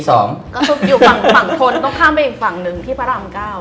ก็คืออยู่ฝั่งทนต้องข้ามไปอีกฝั่งหนึ่งที่พระราม๙